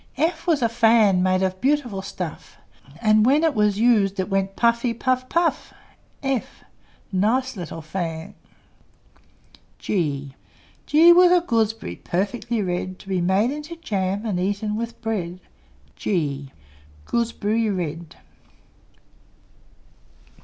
F F was a fan Made of beautiful stuff; And when it was used, It went puffy puff puff! f! Nice little fan! G G was a gooseberry, Perfectly red; To be made into jam, And eaten with bread. g! Gooseberry red!